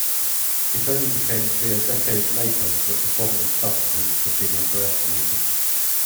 It only became clear decades later that the problem of subsidence had been underestimated.